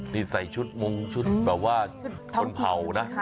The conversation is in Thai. นี่ใส่ชุดมงชุดแบบว่าคนเผานะ